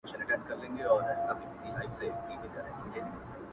چي چي د زړه په دروازې راته راوبهيدې-